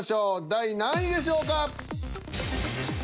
第何位でしょうか？